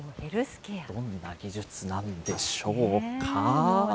どんな技術なんでしょうか。